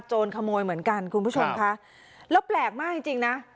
ขโมยเหมือนกันคุณผู้ชมค่ะแล้วแปลกมากจริงจริงนะ